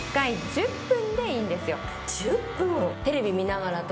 １０分！？